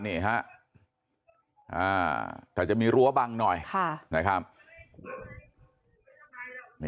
นี่ฮะแต่จะมีรั้วบังหน่อยนะครับ